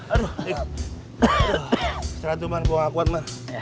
aduh seteran dulu man gue gak kuat man